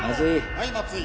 はい松井。